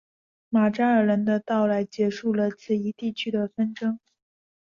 马扎尔人的到来结束了此一地区的纷争。